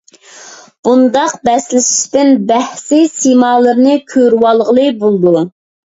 بۇنداق بەسلىشىشتىن بەھىس سىمالىرىنى كۆرۈۋالغىلى بولىدۇ.